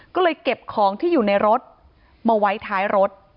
ก็เลยเก็บของที่อยู่ในรถมาไว้ท้ายรถ